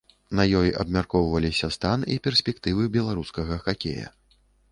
На ёй абмяркоўваліся стан і перспектывы беларускага хакея.